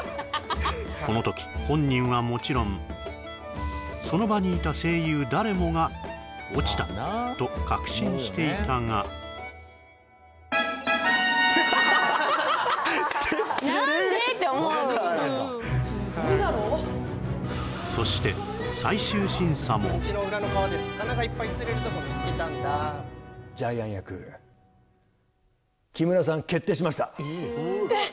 この時本人はもちろんその場にいた声優誰もが落ちたと確信していたがテッテレーそして最終審査もジャイアン役木村さん決定しましたえっ！